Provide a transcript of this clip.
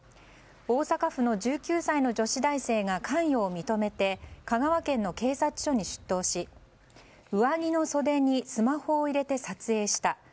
大阪府の１９歳の女子大生が関与を認めて香川県の警察署に出頭し上着の袖にスマホを入れて撮影した。